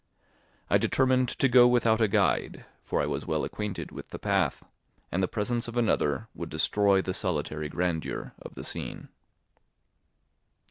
I determined to go without a guide, for I was well acquainted with the path, and the presence of another would destroy the solitary grandeur of the scene.